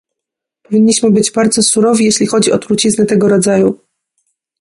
Powinniśmy być bardzo surowi, jeśli chodzi o trucizny tego rodzaju